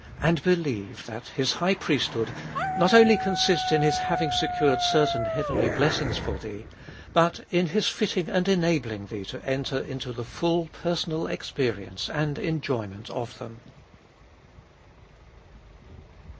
And believe that His High Priesthood not only consists in His having secured certain heavenly blessings for thee, but in his fitting and enabling thee to enter into the full personal experience and enjoyment of them.